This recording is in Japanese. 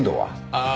ああ。